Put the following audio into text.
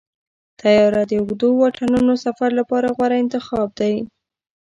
طیاره د اوږدو واټنونو سفر لپاره غوره انتخاب دی.